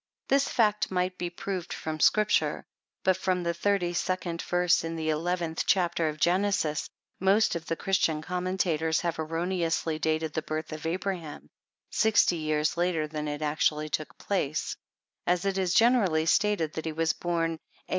This fact might be proved from Scripture ; but from the 32d verse in the 11th chapter of Genesis, most of the Christian commentators have erroneously dated the birth of Abraham 60 years later than it actually took place ; as it is generally stated that he was born A.